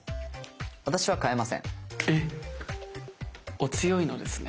お強いのですね。